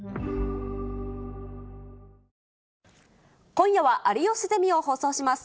今夜は有吉ゼミを放送します。